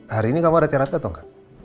hari ini kamu ada terapi atau enggak